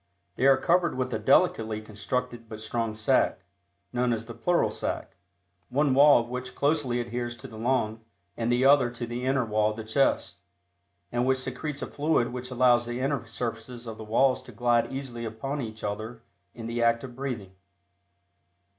They are covered with a delicately constructed but strong sac, known as the pleural sac, one wall of which closely adheres to the lung, and the other to the inner wall of the chest, and which secretes a fluid which allows the inner surfaces of the walls to glide easily upon each other in the act of breathing.